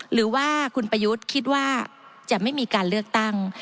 หรือว่าคุณประยุทธ์คิดว่าจะไม่มีการเลือกตั้ง